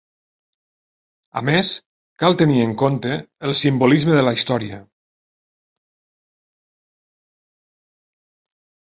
A més, cal tenir en compte el simbolisme de la història.